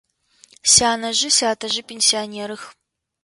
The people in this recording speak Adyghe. Сянэжъи сятэжъи пенсионерых.